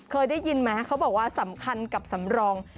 เคยได้ยินไหมเขาบอกว่าสำคัญกับสำรอง